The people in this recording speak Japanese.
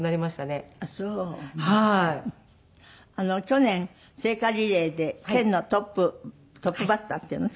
去年聖火リレーで県のトップトップバッターっていうの？